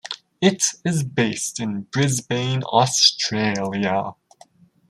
It is based in Brisbane, Australia.